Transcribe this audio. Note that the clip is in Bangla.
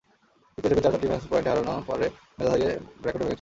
তৃতীয় সেটে চার-চারটি ম্যাচ পয়েন্ট হারানো মারে মেজাজ হারিয়ে র্যাকেটও ভেঙেছেন।